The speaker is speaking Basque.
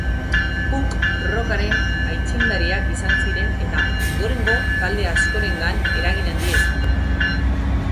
Punk-rockaren aitzindariak izan ziren eta ondorengo talde askorengan eragin handia izan dute.